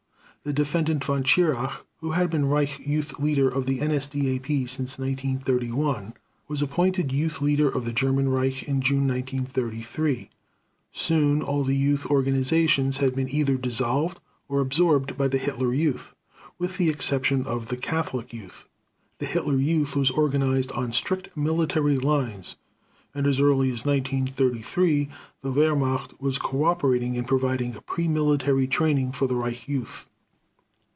The Defendant Von Schirach, who had been Reich Youth Leader of the NSDAP since 1931, was appointed Youth Leader of the German Reich in June 1933. Soon all the youth organizations had been either dissolved or absorbed by the Hitler Youth, with the exception of the "Catholic Youth". The Hitler Youth was organized on strict military lines, and as early as 1933 the Wehrmacht was cooperating in providing pre military training for the Reich Youth.